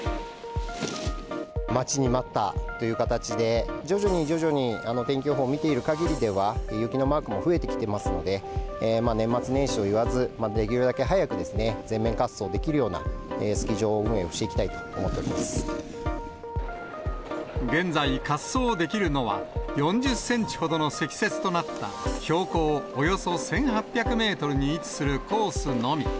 待ちに待ったという形で、徐々に徐々に天気予報を見ているかぎりでは雪のマークも増えてきてますので、年末年始といわず、できるだけ早く全面滑走できるようなスキー場運営をしていきたい現在、滑走できるのは４０センチほどの積雪となった標高およそ１８００メートルに位置するコースのみ。